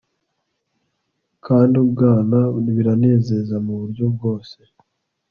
Kandi Ubwana biranezeza muburyo bwose